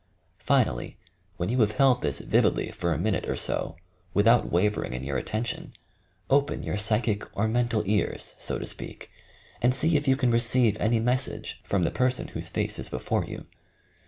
Finally, when you have held this vividly for a minute or so without wavering in your 218 YOUR PSYCHIC POWERS attention, open your psychic or mental ears, so to speak, and sec if you can receive any message from the person whose face is before you.